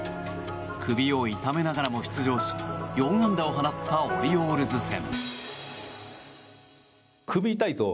首を痛めながらも出場し４安打を放ったオリオールズ戦。